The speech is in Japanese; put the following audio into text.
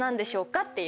っていう。